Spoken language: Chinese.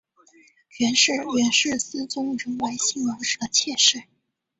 袁氏原是思宗仍为信王时的妾室。